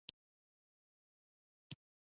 آزاد تجارت مهم دی ځکه چې خوشحالي رامنځته کوي.